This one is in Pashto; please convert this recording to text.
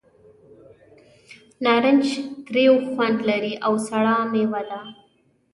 نارنج تریو خوند لري او سړه مېوه ده.